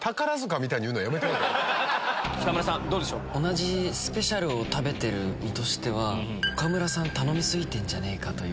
同じスペシャルメニューを食べてる身としては岡村さん頼み過ぎてんじゃねえかという。